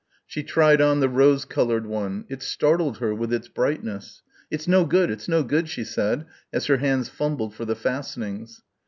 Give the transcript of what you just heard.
She tried on the rose coloured one. It startled her with its brightness.... "It's no good, it's no good," she said, as her hands fumbled for the fastenings.